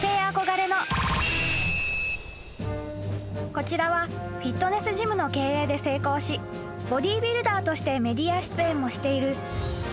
［こちらはフィットネスジムの経営で成功しボディービルダーとしてメディア出演もしている］